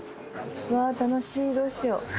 うわ楽しいどうしよう。